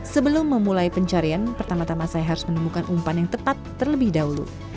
sebelum memulai pencarian pertama tama saya harus menemukan umpan yang tepat terlebih dahulu